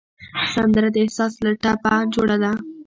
سندره د احساس له ټپه جوړه ده